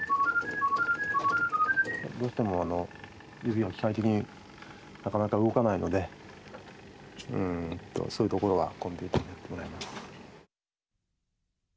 どうしてもあの指が機械的になかなか動かないのでうんとそういうところはコンピューターにやってもらいます。